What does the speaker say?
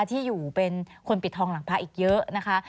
ที่อยู่เป็นคนปิดทองหลังพระอีกเยอะนะคะ